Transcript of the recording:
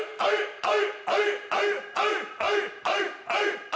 はい！